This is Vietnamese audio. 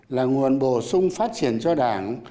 là nguồn bổ sung phát triển cho đảng